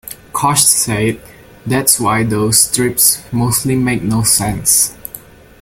Cosh said That's why those strips mostly make no sense.